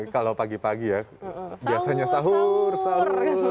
kalau pagi pagi ya biasanya sahur sahur